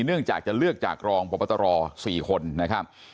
เนื่องจากจะเลือกจากรองพบตร๔คนนะครับ